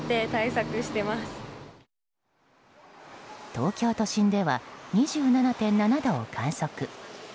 東京都心では２７．７度を観測。